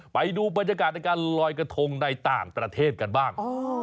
ไปดูบรรยากาศในการลอยกระทงในต่างประเทศกันบ้าง